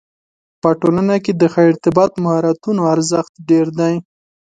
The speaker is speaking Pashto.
په ټولنه کې د ښه ارتباط مهارتونو ارزښت ډېر دی.